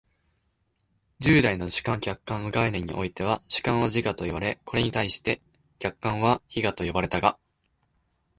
従来の主観・客観の概念においては、主観は自我といわれ、これに対して客観は非我と呼ばれたが、